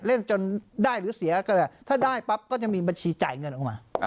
เล่นจนได้หรือเสียก็ได้ถ้าได้ปั๊บก็จะมีบัญชีจ่ายเงินออกมา